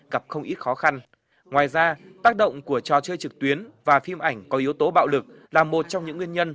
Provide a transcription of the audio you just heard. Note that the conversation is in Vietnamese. gặp không ít khó khăn ngoài ra tác động của trò chơi trực tuyến và phim ảnh có yếu tố bạo lực là một trong những nguyên nhân